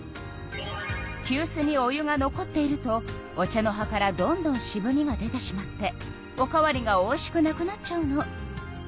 きゅうすにお湯が残っているとお茶の葉からどんどんしぶみが出てしまっておかわりがおいしくなくなっちゃうの。